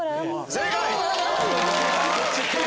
正解！